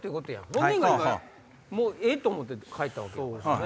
本人が今もうええと思って帰ったわけやから。